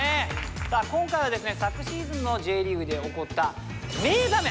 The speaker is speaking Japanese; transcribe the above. さあ今回はですね昨シーズンのＪリーグで起こった名場面。